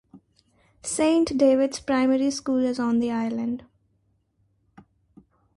Saint David's Primary School is on the island.